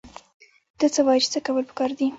ته څه وايې چې څه کول پکار دي؟